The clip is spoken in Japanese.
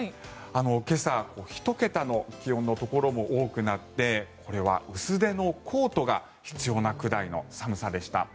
今朝１桁の気温のところも多くなってこれは薄手のコートが必要なくらいの寒さでした。